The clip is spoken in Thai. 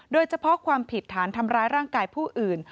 โดยเฉพาะความผิดฐานทำร้ายร่างกายผู้อื่น